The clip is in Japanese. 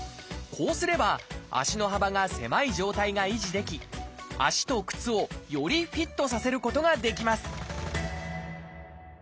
こうすれば足の幅が狭い状態が維持でき足と靴をよりフィットさせることができます